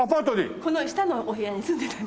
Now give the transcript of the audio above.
この下のお部屋に住んでた。